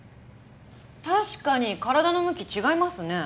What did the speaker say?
確かに体の向き違いますね。